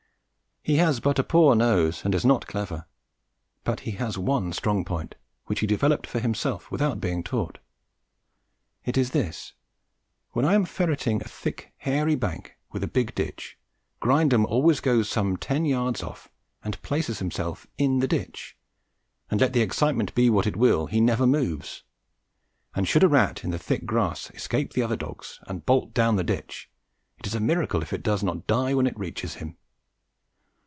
He has but a poor nose and is not clever, but he has one strong point, which he developed for himself without being taught. It is this: when I am ferreting a thick hairy bank with a big ditch, Grindum always goes some ten yards off and places himself in the ditch, and, let the excitement be what it will, he never moves; and should a rat in the thick grass escape the other dogs and bolt down the ditch, it is a miracle if it does not die when it reaches him.